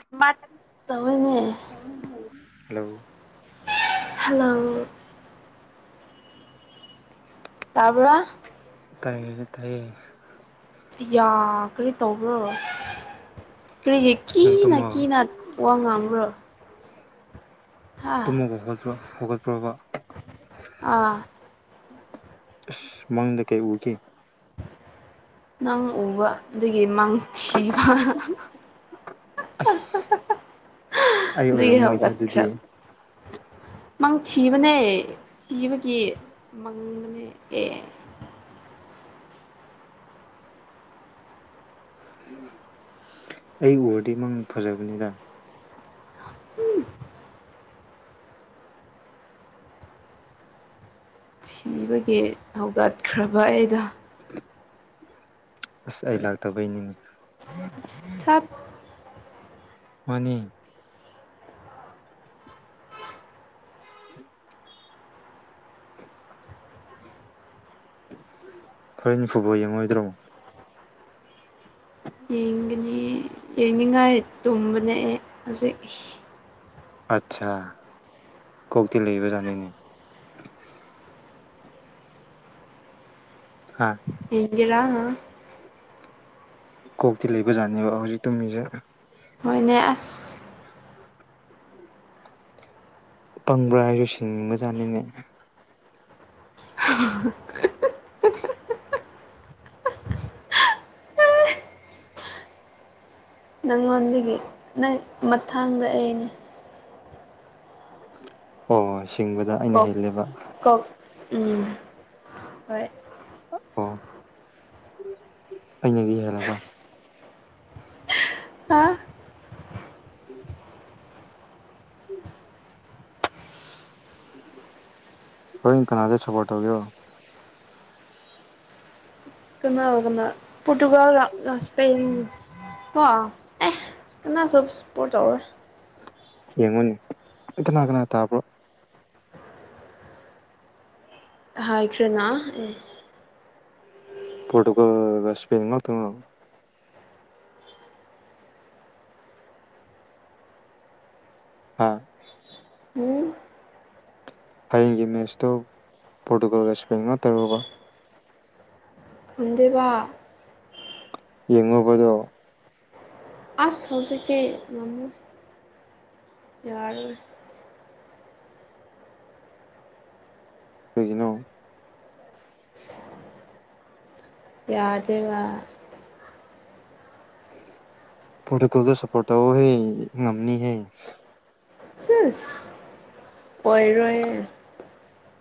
smart ꯇꯋꯅꯦ hello hello ꯇꯕꯔꯥ ꯇꯥꯏꯌꯦ ꯇꯥꯏꯌꯦ ꯌꯥꯒꯔꯤ ꯇꯧꯕ꯭ꯔꯣ ꯀꯔꯤꯒꯤ ꯅꯪ ꯀꯤꯅ ꯇꯨꯝꯃ ꯀꯤꯅ ꯋꯥ ꯉꯥꯡꯕ꯭ꯔꯣ ꯍꯥ ꯇꯨꯝꯃꯄ ꯍꯧꯒꯠꯄ ꯍꯧꯒꯠꯄ꯭ꯔꯕ ꯑꯥ ꯃꯗ ꯀꯩ ꯎꯒꯤ ꯅꯪ ꯎꯕ ꯑꯗꯒꯤ ꯃꯥꯡꯊꯤꯕ ꯑꯁ ꯑꯩ ꯏ ꯑꯣꯏꯔꯝꯃꯣꯏꯗ ꯑꯗꯨꯗꯤ ꯍꯒꯈ꯭ꯔ ꯃꯪ ꯊꯤꯕꯅꯦ ꯊꯤꯕꯒꯤ ꯃꯪꯕꯅꯦ ꯑꯦ ꯎ ꯑꯩ ꯎꯔꯗꯤ ꯏꯃꯪ ꯐꯖꯕꯅꯤꯗ ꯎꯝ ꯊꯤꯕꯒꯤ ꯍꯧꯒꯠꯈ꯭ꯔꯕ ꯑꯩꯗ ꯑꯁ ꯑꯩ ꯂꯥꯛꯇꯕꯩꯅꯤꯡꯉ ꯊꯠ ꯃꯅꯤ ꯈꯣꯏꯅꯤꯐꯨꯕ ꯌꯦꯡꯉꯣꯏꯗ꯭ꯔꯣ ꯌꯦꯡꯒꯅꯤ ꯌꯦꯡꯅꯤꯡꯉꯥꯏ ꯇꯨꯝꯕꯅꯦ ꯑꯦ ꯑꯁꯤꯁ ꯏꯁ ꯑꯠꯆꯥ ꯀꯧꯇ ꯂꯩꯕꯖꯅꯤꯅꯦ ꯍꯥ ꯌꯦꯒꯔꯥ ꯀꯣꯛꯇꯤ ꯂꯩꯕꯖꯥꯠꯅꯦꯕ ꯍꯧꯖꯤꯛꯇꯨ ꯃꯤꯁꯦ ꯃꯣꯏꯅꯦ ꯑꯁ ꯄꯪꯕ꯭ꯔꯥ ꯍꯥꯏꯔꯁꯤꯡ ꯃꯖꯥꯅꯤꯅꯦ [inaudible] ꯅꯪꯉꯣꯟꯗꯒꯤ ꯅꯪ ꯃꯊꯥꯡꯗ ꯑꯩꯅꯦ ꯑꯣ ꯁꯤꯡꯕꯗ ꯑꯩꯅ ꯀꯣꯛ ꯍꯦꯜꯂꯦꯕ ꯀꯣꯛ ꯎꯝ ꯍꯣꯏ ꯑꯣ ꯑꯩꯅꯗꯤ ꯍꯦꯜꯂꯦꯕ ꯍꯥ ꯎꯝ ꯍꯣꯏ ꯀꯅꯥꯗ ꯁꯄꯣꯔꯠ ꯇꯧꯒꯦꯔꯣ ꯀꯅꯥ ꯀꯅꯥ ꯄꯣꯇꯨꯒꯥꯜ ꯁ꯭ꯄꯦꯜ ꯍ ꯑꯦ ꯀꯅꯥꯁꯨ ꯁꯄꯣꯠ ꯇꯧꯔꯣꯢ ꯌꯦꯡꯉꯨꯅꯦ ꯀꯅꯥ ꯀꯅꯥ ꯇꯥꯕ꯭ꯔꯣ ꯍꯥꯏꯈ꯭ꯔꯦꯅꯥ ꯑꯩ ꯄꯣꯔꯇꯨꯒꯜꯒ ꯁꯄꯒꯥ ꯉꯥꯛꯇꯔꯣ ꯍꯥ ꯎꯝ ꯍꯌꯦꯡꯒꯤ ꯃꯦꯠꯁꯇꯣ ꯄꯣꯔꯇꯨꯒꯜꯒ ꯁꯄꯦꯟ ꯉꯥꯛ ꯇꯔꯨꯕ ꯈꯪꯗꯦꯕ ꯌꯦꯡꯉꯨꯕꯗꯣ ꯑꯁ ꯍꯧꯖꯤꯛꯗꯤ ꯉꯥꯝꯃꯣꯢ ꯌꯥꯂꯣꯢ ꯀꯩꯒꯤꯅꯣ ꯌꯥꯗꯦꯕ ꯄꯣꯇꯣꯀꯣꯜꯗ ꯁꯄꯣꯔꯇꯑꯣꯍꯦ ꯉꯝꯅꯤꯍꯦ ꯎꯁ ꯑꯣꯏꯔꯣꯏ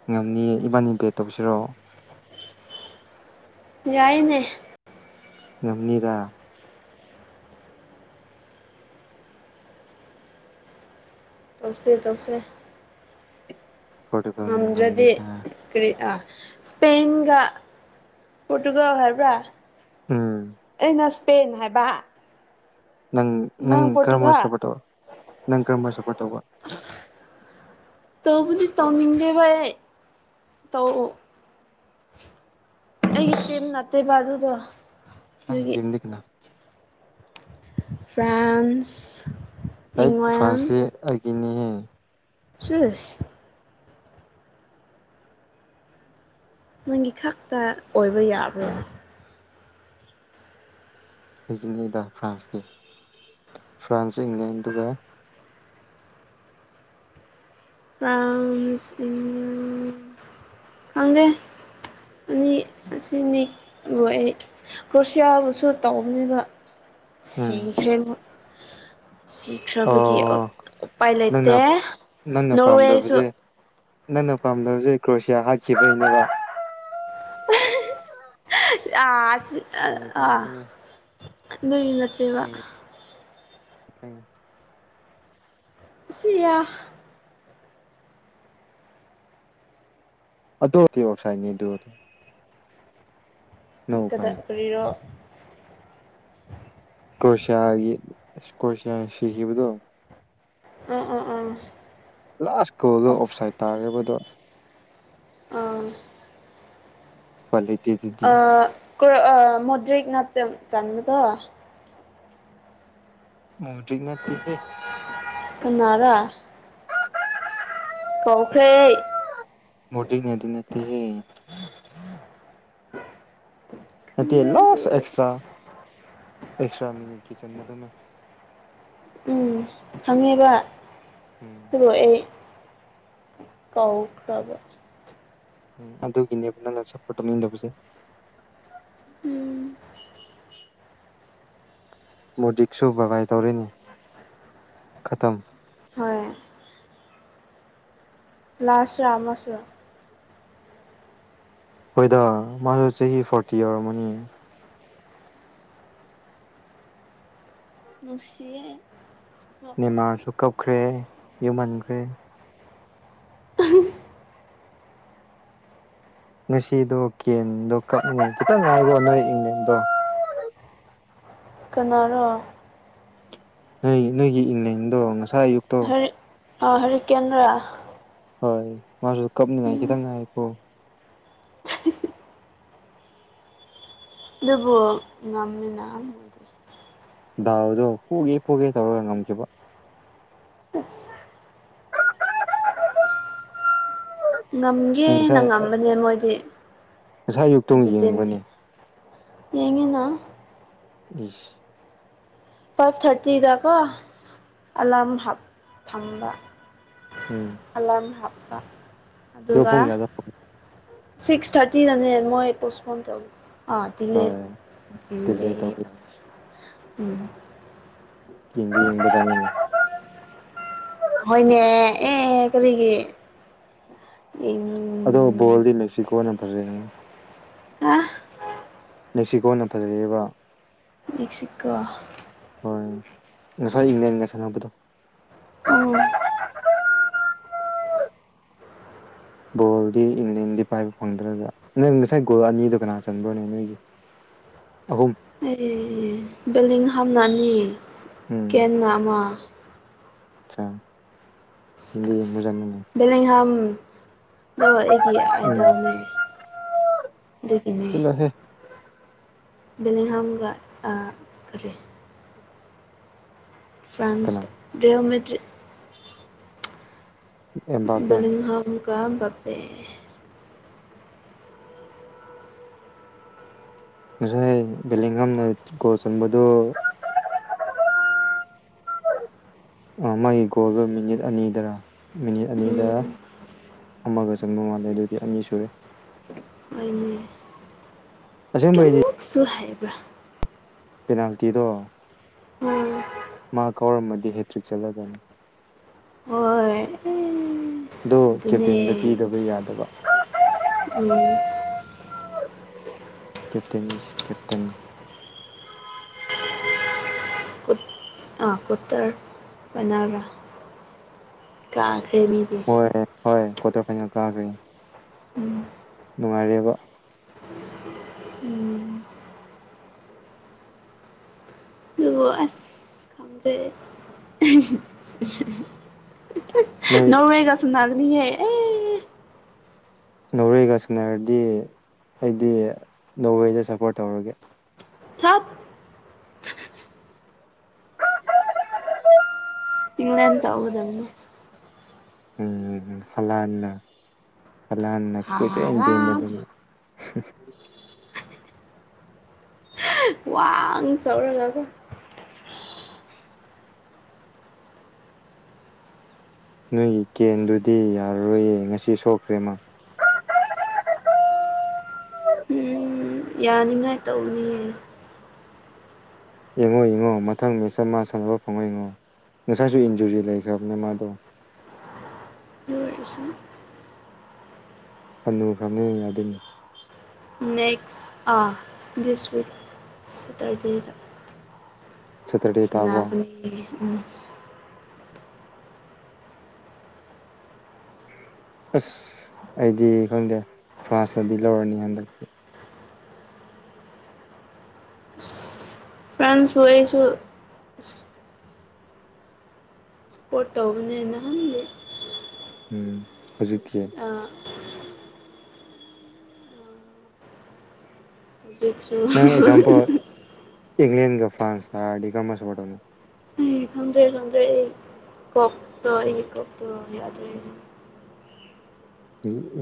ꯉꯝꯅꯤꯌꯦ ꯏꯕꯥꯟꯅꯤ ꯄꯦꯠ ꯇꯧꯁꯤꯔꯣ ꯌꯥꯏꯅꯦ ꯉꯝꯅꯤꯗꯥ ꯇꯧꯁꯦ ꯇꯧꯁꯦ ꯄꯣꯔꯇꯨꯒꯜꯅ ꯉꯝꯗ꯭ꯔꯗꯤ ꯉꯝꯅꯤꯗ ꯀꯔꯤꯥ ꯏꯁꯄꯦꯟꯒ ꯄꯣꯔꯇꯨꯒꯜ ꯍꯥꯏꯕ꯭ꯔꯥ ꯎꯝ ꯑꯩꯅ ꯢꯁꯄꯦꯟ ꯍꯥꯏꯕ ꯅꯪ ꯅꯪ ꯀꯔꯝꯕ ꯁꯄꯣꯔꯠ ꯇꯧꯕ ꯅꯪ ꯀꯔꯝꯕ ꯁꯄꯣꯔꯠ ꯇꯧꯕ ꯇꯧꯕꯨꯗꯤ ꯇꯧꯅꯤꯡꯗꯦꯕ ꯑꯩ ꯇꯧ ꯑꯩ ꯇꯤꯝ ꯏꯁ ꯅꯠꯇꯦꯕ ꯑꯗꯨꯗꯣ ꯅꯪꯒꯤ ꯑꯗꯨꯒꯤ ꯇꯤꯝꯗꯤ ꯀꯅꯥ ꯐ꯭ꯔꯥꯟꯁ ꯑꯩꯠ ꯏꯪꯂꯦꯟ ꯐꯥꯟꯁꯤ ꯑꯩꯒꯤꯅꯤꯍꯦ ꯁꯤꯁ ꯅꯪꯒꯤ ꯈꯛꯇ ꯑꯣꯏꯕ ꯌꯥꯕ꯭ꯔꯣꯏ ꯑꯩꯒꯤꯅꯤꯗ ꯐ꯭ꯔꯥꯟꯁꯗꯤ ꯐ꯭ꯔꯥꯟꯁꯁ ꯏꯪꯂꯦꯟ ꯑꯗꯨꯒ ꯐ꯭ꯔꯥꯟꯁ ꯏꯪꯂꯦꯟ ꯈꯪꯗꯦ ꯑꯅꯤ ꯑꯁꯤꯅꯤ ꯑꯗꯨ ꯑꯩ ꯀ꯭ꯔꯣꯁꯤꯌꯥꯕꯨꯁꯨ ꯇꯧꯕꯅꯦꯕ ꯎꯝ ꯁꯤꯈꯔꯦ ꯁꯤꯈ꯭ꯔꯕꯒꯤ ꯑꯣ ꯎꯄꯥꯏ ꯅꯪꯅ ꯂꯩꯇꯦ ꯅꯪꯅ ꯅꯣꯔꯋꯦꯁꯨ ꯄꯥꯝꯗꯕꯁꯦ ꯅꯪꯅ ꯄꯥꯝꯗꯕꯁꯦ ꯀ꯭ꯔꯣꯁꯤꯌꯥ ꯍꯥꯠꯈꯤꯕꯒꯤꯅꯦꯕ ꯍꯥ ꯍꯥ ꯍꯤ ꯈꯪꯉꯤ ꯥ ꯈꯪꯉꯤ ꯈꯪꯉꯤ ꯅꯣꯏꯗꯤ ꯅꯠꯇꯦꯕ ꯀꯥꯏꯦ [inaudible] ꯁꯤꯌꯥ ꯑꯗꯨꯗꯤ [inaudible] ꯕꯁꯥꯏꯅꯤ ꯑꯗꯨ ꯑꯗꯨ ꯀꯗꯥ ꯀꯔꯤꯔꯣ ꯀꯔꯣꯁꯤꯌꯒꯤ ꯀꯔꯣꯁꯤꯌ ꯁꯤꯈꯤꯕꯗꯨ ꯑꯥ ꯑꯥ ꯑꯥ ꯂꯥꯁ ꯀꯣꯜꯗꯣ ꯑꯣꯐ ꯁꯥꯏꯠ ꯑꯣꯞꯁ ꯇꯥꯔꯦꯕꯗꯣ ꯑꯥ ꯎꯄꯥꯏ ꯂꯩꯇꯦꯗꯨꯗꯤ ꯀ ꯃꯨꯗ꯭ꯔꯛꯅꯥꯆ ꯆꯥꯟꯨ ꯇ ꯃꯇꯔꯤ ꯉꯠꯇ ꯍꯦ ꯀꯅꯥꯔꯥ ꯀꯥꯎꯈ꯭ꯔꯩ ꯃꯣꯇ ꯉꯗꯤ ꯅꯠꯇ ꯍꯦ ꯅ ꯈꯪꯗꯦ ꯑꯗꯨ ꯂꯣꯁ ꯑꯣꯏꯔꯗꯤ ꯑꯦꯁꯇ꯭ꯔꯥ ꯑꯦꯁꯇ꯭ꯔꯥ ꯃꯤꯅꯤ ꯀꯆꯟ ꯃ ꯃ ꯎꯝ ꯍꯪꯉꯦꯕ ꯎꯝ ꯑꯗꯨꯕꯨꯣ ꯑꯩ ꯀꯥꯎꯈ꯭ꯔꯕ ꯑꯗꯨꯒꯤꯅꯦꯕ ꯅꯪꯅ ꯁꯄꯣꯔꯠ ꯇꯧꯅꯤꯡꯗꯥꯕꯁꯦ ꯎꯝ ꯃꯣꯗꯤꯛꯁꯨ ꯕꯥꯕꯥꯏ ꯇꯧꯔꯦꯅꯦ ꯈꯥꯇꯝ ꯍꯣꯏ ꯂꯁꯨ ꯑ ꯑꯃꯁꯁꯨ ꯍꯣꯏꯗ ꯃꯥꯁꯨ ꯆꯍꯤ ꯐꯣꯔꯇꯤ ꯌꯎꯔꯝꯃꯅꯤ ꯅꯨꯡꯁꯤꯌꯦ ꯅꯤꯃꯥꯔꯁꯨ ꯀꯞꯈ꯭ꯔꯦ ꯌꯨꯝꯍꯟꯈ꯭ꯔꯦ [inaudible] ꯉꯁꯤꯗꯣ ꯀꯦꯟꯗꯣ ꯀꯞꯅꯤꯡ ꯈꯤꯇꯪ ꯉꯥꯏꯗꯣ ꯅꯣꯏ ꯏꯪꯂꯦꯟꯗꯣ ꯀꯅꯥꯔꯣ ꯅ ꯅꯣꯏꯒꯤ ꯏꯪꯂꯩꯟꯗꯣ ꯉꯁꯥꯏ ꯑꯌꯨꯛꯇꯣ ꯑ ꯍꯔꯤ ꯀꯦꯟꯔꯥ ꯍꯣꯏ ꯃꯥꯁꯨ ꯀꯞꯅꯤꯡꯉꯥꯏ ꯈꯤꯇꯪ ꯉꯥꯏꯀꯣ ꯑꯗꯨꯕꯨ ꯉꯝꯃꯤꯅ ꯃꯣꯏꯗꯤ ꯗꯥꯎꯗꯣ ꯄꯣꯒꯦ ꯄꯣꯒꯦ ꯇꯧꯔꯒ ꯉꯝꯈꯤꯕ ꯁꯦꯁ ꯅꯪ ꯉꯝꯒꯦꯅ ꯉꯁꯥꯏ ꯉꯝꯕꯅꯦ ꯃꯣꯏꯗꯤ ꯉꯁꯥꯏ ꯑꯌꯨꯛꯇꯣ ꯑꯩꯒꯤ ꯇꯤꯝꯗꯤ ꯌꯦꯡꯕ꯭ꯔꯅꯦ ꯌꯦꯡꯉꯦꯅ ꯏꯁ ꯐꯥꯏꯚ ꯊꯥꯔꯇꯤꯗꯀꯣ ꯑꯂꯥꯔꯝ ꯊꯝꯕ ꯎꯝ ꯑꯦꯂꯥꯃ ꯍꯥꯞꯄ ꯑꯗꯨꯒ [unintelligible] ꯁꯤꯛꯁ ꯊꯥꯔꯇꯤ ꯗꯥꯅꯦ ꯃꯣꯏ ꯄꯣꯁꯄꯣꯟ ꯍꯣꯏ ꯗꯤꯂꯦ ꯇꯧꯕ [unintelligible] [unintelligible] ꯍꯣꯏꯅꯦ ꯑꯦ ꯀꯔꯤꯒꯤ ꯎꯝ ꯑꯗꯣ ꯕꯣꯜꯗꯤ ꯃꯦꯛꯁꯤꯀꯣꯅ ꯐꯖꯩꯗꯅꯥ ꯑ ꯃꯦꯛꯁꯤꯀꯣꯅ ꯐꯖꯩꯏꯕ ꯃꯦꯛꯁꯤꯀꯣ ꯍꯣꯏ ꯉꯁꯥꯏ ꯏꯪꯂꯦꯟꯒ ꯁꯥꯟꯅꯕꯥꯗꯣ ꯑ ꯕꯣꯜꯗꯤ ꯏꯪꯂꯦꯟꯗꯤ ꯄꯥꯏꯕ ꯐꯪꯗ꯭ꯔꯒꯥ ꯅꯣꯏ ꯉꯁꯥꯏ ꯒꯣꯜ ꯑꯅꯤꯗꯣ ꯀꯅꯥ ꯆꯟꯕ꯭ꯔꯣꯅꯦ ꯅꯣꯏꯒꯤ ꯑꯍꯨꯝ [unintelligible] ꯑꯆꯥ [unintelligible] ꯑꯗꯣ ꯑꯩꯒꯤ ꯎꯝ ꯑꯥꯏꯗꯣꯜꯅꯦ ꯑꯗꯨꯒꯤꯅꯦ ꯆꯠꯂꯣꯍꯦ ꯕꯂꯦꯍꯝꯒ ꯟꯥ ꯀꯔꯤ ꯀꯅꯥ ꯐ꯭ꯔꯥꯟꯁ ꯔꯦꯜꯃꯦꯗꯔ꯭ꯤꯇ ꯑꯦꯝꯕꯥꯄꯦ ꯕꯂꯤꯡꯍꯝ ꯒꯥ ꯕꯥꯄꯦ ꯉꯁꯥꯏ ꯕꯦꯂꯤꯍꯝꯅ ꯒꯣꯜ ꯆꯟꯕꯗꯨ ꯃꯥꯒꯤ ꯒꯣꯜꯗꯣ ꯃꯤꯅꯤꯠ ꯑꯅꯤꯗꯔ ꯃꯤꯅꯤꯠ ꯑꯅꯤꯗ ꯎꯝ ꯑꯃꯒ ꯆꯪꯕ ꯃꯥꯜꯂꯦ ꯑꯗꯨꯗꯤ ꯑꯅꯤ ꯁꯨꯔꯦ ꯑꯅꯤ ꯑꯁꯦꯡꯕꯩꯗꯤ ꯀꯨꯛꯁꯨ ꯍꯥꯏꯕ꯭ꯔꯥ ꯄꯦꯅꯥꯜꯇꯤꯗꯣ ꯎꯝ ꯃꯥ ꯀꯥꯎꯔꯝꯃꯗꯤ ꯍꯦꯇ꯭ꯔꯤꯛ ꯆꯠꯂꯗꯕꯥꯅꯤ ꯍꯣꯏ ꯑꯗꯣ ꯑꯗꯨꯅꯦ ꯀꯦꯞꯇꯦꯟꯗ ꯄꯤꯗꯕ ꯌꯥꯗꯕ ꯎꯝ ꯀꯦꯞꯇꯦꯟ ꯏꯁ ꯀꯦꯞꯇꯦꯟ ꯑꯥ ꯀꯣꯇꯔ ꯃꯅꯔꯥ ꯀꯥꯈ꯭ꯔꯦ ꯃꯤꯗꯤ ꯍꯣꯏ ꯍꯣꯏ ꯀ꯭ꯋꯥꯇꯔ ꯐꯥꯏꯅꯦꯜ ꯀꯥꯈ꯭ꯔꯦ ꯎꯝ ꯅꯨꯡꯉꯥꯏꯔꯦꯕ ꯎꯝ ꯑꯗꯨꯕꯨ ꯑꯁ ꯈꯪꯗ꯭ꯔꯦ ꯅꯣꯏ ꯅꯣꯔꯋꯦꯒꯁꯨꯝꯒꯅꯤꯍꯦ ꯑꯦ ꯅꯣꯔꯋꯦꯒ ꯁꯟꯅꯔꯗꯤ ꯑꯩꯗꯤ ꯅꯣꯔꯋꯦꯗ ꯁꯄꯣꯔ ꯇꯧꯔꯒꯦ ꯊꯠ ꯢꯤꯡꯂꯦꯟ ꯇꯧꯒꯗꯧꯅꯦ ꯎꯝ ꯍꯂꯥꯟꯅ ꯍꯂꯥꯟꯅ ꯀꯣꯢꯆꯦꯟ ꯆꯦꯟꯕ ꯍꯥꯂꯥꯟ ꯗꯨ [inaudible] ꯋꯥꯡ ꯆꯥꯎꯧꯔꯒ ꯅꯣꯏꯒꯤ ꯀꯦꯟꯗꯨꯗꯤ ꯌꯥꯔꯔꯣꯏꯌꯦ ꯉꯁꯤ ꯁꯣꯛꯈ꯭ꯔꯦꯃ ꯎꯝ ꯌꯥꯅꯤꯡꯉꯥꯏ ꯇꯧꯅꯤꯌꯦ ꯌꯦꯡꯉꯣ ꯌꯦꯡꯉꯣ ꯉꯣ ꯃꯊꯪ ꯃꯦꯠꯁꯇ ꯃꯥ ꯁꯥꯟꯅꯕ ꯐꯪꯉꯣꯏꯉꯣ ꯉꯁꯥꯏꯁꯨ ꯏꯟꯖꯨꯔꯤ ꯂꯩꯈ꯭ꯔꯕꯅꯦ ꯃꯥꯗꯣ ꯎꯝ [unintelligible] ꯍꯅꯨ ꯈ꯭ꯔꯅꯤ ꯌꯥꯗꯅꯤ ꯅꯦꯛꯁ ꯑꯥ ꯗꯤꯁ ꯋꯤꯛ ꯁꯦꯇꯔꯗꯦꯗ ꯁꯦꯇꯔꯗꯦ ꯇꯥꯕ꯭ꯔꯣ [inaudible] [unintelligible] ꯑꯁ ꯑꯩꯗꯤ ꯈꯪꯗꯦ ꯐ꯭ꯔꯥꯟꯥꯁꯇꯗꯤ ꯂꯧꯔꯅꯤ ꯍꯟꯗꯛꯇꯤ ꯐ꯭ꯔꯁꯕꯨꯣꯏꯁꯨ ꯁꯄꯣꯔꯠ ꯇꯧꯕꯅꯦꯅ ꯍꯪꯖꯦ ꯎꯝ ꯍꯧꯖꯤꯛ ꯇꯤ ꯍꯧꯖꯤꯡꯁꯨ ꯏꯪꯪꯂ꯭ꯂꯦꯟꯒ ꯐ꯭ꯔꯥꯟꯁ ꯊꯗꯤ ꯀꯔꯝꯕ ꯁꯄꯣ꯭ꯔꯠ ꯇꯧꯅꯤ ꯑꯩ ꯈꯪꯗ꯭ꯔꯦ ꯈꯪꯗ꯭ꯔꯦ ꯑꯩ ꯀꯣꯛꯇꯣ ꯑꯩꯒꯤ ꯀꯣꯛꯇꯣ ꯌꯥꯗ꯭ꯔꯦ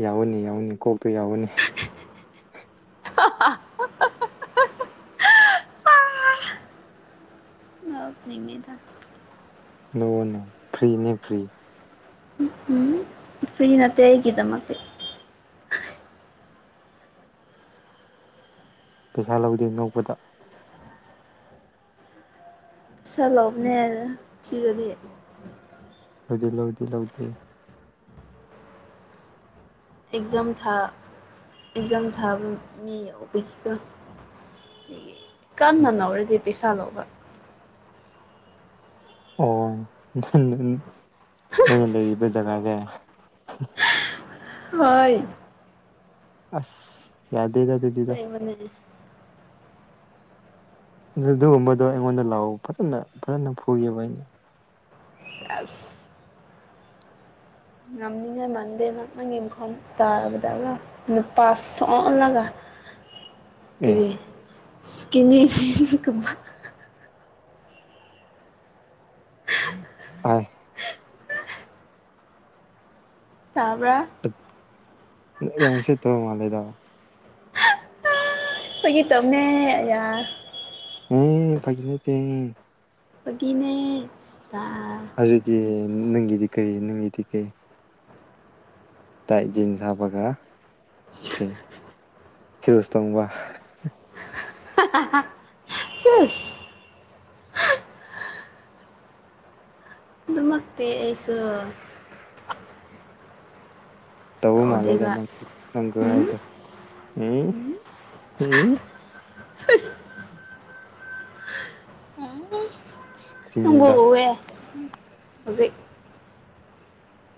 ꯌꯥꯎꯋꯣꯅꯦ ꯌꯥꯎꯋꯣꯅꯦ ꯀꯣꯛꯇꯣ ꯌꯥꯎꯋꯣꯅꯧ ꯑ [unintelligible] [unintelligible] ꯂ ꯅ ꯐ꯭ꯔꯤꯅꯦ ꯐ꯭ꯔꯤ ꯎꯝ ꯐ꯭ꯔꯤ ꯅꯠꯇ ꯑꯩꯒꯤꯗꯃꯛꯇꯤ ꯄꯩꯁꯥ ꯂꯧꯗꯦ ꯉꯣꯛꯕꯗ [unintelligible] ꯂꯧꯗꯤ ꯂꯧꯗꯤ ꯂꯧꯗꯦ ꯑꯦꯛꯖꯥꯝ ꯊꯥ ꯑꯦꯛꯖꯥꯝ ꯊꯥꯕ ꯃꯤ ꯑꯣꯏꯕꯒꯤꯀꯣ ꯀꯟꯅ ꯂꯥꯎꯔꯗꯤ ꯄꯩꯁꯥ ꯂꯧꯕ ꯑꯣ ꯅ [unintelligible] ꯅꯣꯢꯅ ꯂꯩꯔꯤꯕ ꯖꯒꯖꯦ ꯑꯣꯏ ꯑꯁ ꯌꯥꯗꯦꯗ ꯑꯗꯨꯗꯤꯗ ꯁꯤꯕꯅꯤꯅꯦ ꯑꯗꯨꯒꯨꯝꯕꯗꯣ ꯑꯩꯉꯣꯟꯗ ꯂꯥꯛꯑꯣ ꯐꯖꯅ ꯐꯖꯅ ꯐꯨꯕ ꯑꯩꯅ ꯑꯁ ꯃꯟꯗꯦ ꯅ ꯅꯪꯒꯤ ꯏꯡꯈꯣꯜ ꯇꯥꯔꯕꯗꯒ ꯅꯨꯄꯥ ꯁꯣꯛꯍꯜꯂꯒ [unintelligible] [inaudible] ꯀ ꯀꯅꯦ ꯆꯀꯝꯕ [unintelligible] ꯍ ꯇꯥꯕ꯭ꯔꯥ ꯌꯁꯤꯠꯇ ꯃꯜꯂꯤꯗ ꯐꯥꯒꯤ ꯇꯣꯕꯅꯦ ꯎ ꯐꯥꯒꯅꯦ ꯇ ꯐꯒꯤꯅꯦ ꯑꯗꯨꯗꯤ ꯅꯪꯒꯤꯗꯤ ꯀꯩ ꯅꯪꯒꯤꯗꯤ ꯀꯩ ꯇꯖ ꯁꯥꯥꯕ ꯀꯥ ꯀ ꯈꯔꯣꯁ ꯇꯣꯡꯕ ꯁꯤꯁ ꯈꯨꯛꯇ ꯑꯩꯁꯨ ꯇꯧꯕ ꯃꯥꯂꯦꯗ ꯇꯧꯗꯦꯕ ꯅꯪ ꯅꯪꯒꯨ ꯎꯝ ꯍꯥꯏꯗꯣ ꯎꯝ ꯍꯦ [inaudible] [inaudible] ꯁꯤꯅꯤꯗ ꯅꯪꯕꯋꯦ ꯍꯧꯖꯤꯛ